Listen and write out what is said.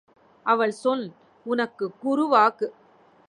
அவள் சொல் உனக்குக் குரு வாக்கு.